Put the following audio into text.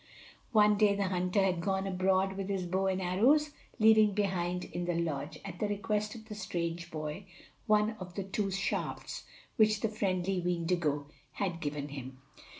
One day the hunter had gone abroad with his bow and arrows, leaving behind in the lodge, at the request of the strange boy, one of the two shafts which the friendly Weendigo had given to him.